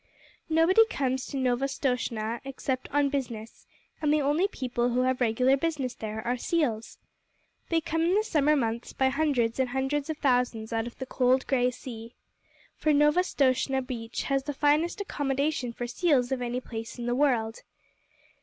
Nobody comes to Novastoshnah except on business, and the only people who have regular business there are the seals. They come in the summer months by hundreds and hundreds of thousands out of the cold gray sea. For Novastoshnah Beach has the finest accommodation for seals of any place in all the world.